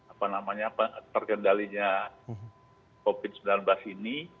apa namanya terkendalinya covid sembilan belas ini